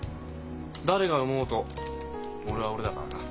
誰が産もうと俺は俺だからな。